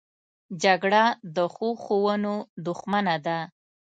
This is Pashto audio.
جګړه د ښو ښوونو دښمنه ده